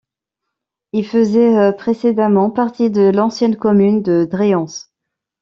Il faisait précédemment partie de l'ancienne commune de Dréhance.